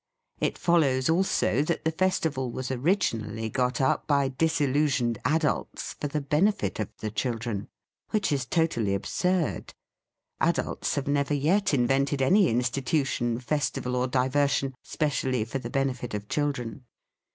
It follows also that the festival was originally got up by dis illusioned adults, for the benefit of the children. Which is totally absurd. Adults have never yet invented any in stitution, festival or diversion specially for the benefit of children.